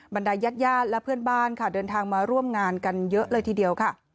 บรรดายญาติญาติและเพื่อนบ้านค่ะเดินทางมาร่วมงานกันเยอะเลยทีเดียวค่ะ